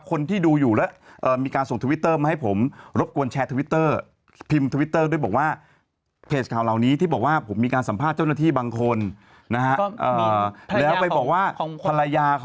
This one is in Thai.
คนที่ดูอยู่ระมีการส่งทวิตเตอร์มาให้ผมรบกวนแชร์ทวิตเตอร์